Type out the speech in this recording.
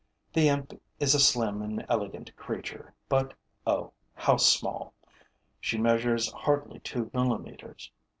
The imp is a slim and elegant creature, but oh, how small! She measures hardly two millimeters.